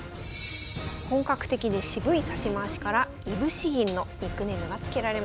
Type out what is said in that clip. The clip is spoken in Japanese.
本格的で渋い指し回しから「いぶし銀」のニックネームが付けられました。